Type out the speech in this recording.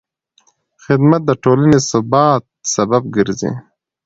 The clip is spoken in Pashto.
خدمت د ټولنې د ثبات سبب ګرځي.